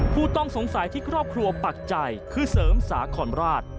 ผู้ต้องสงสัยที่ครอบครัวปักใจคือเสริมสาครราช